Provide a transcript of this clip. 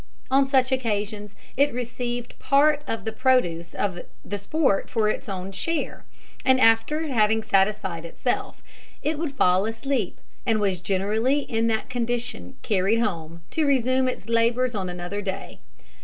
On such occasions it received a part of the produce of the sport for its own share; and after having satisfied itself, it would fall asleep, and was generally in that condition carried home, to resume its labours on another day.